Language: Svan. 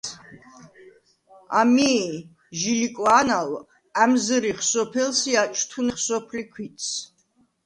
ამი̄ ჟი ლიკვა̄ნა̄ლვ ა̈მზჷრიხ სოფელს ი აჭთუნეხ სოფლი ქვითს.